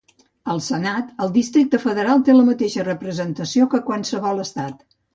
Al Senat, el Districte Federal té la mateixa representació que qualsevol estat.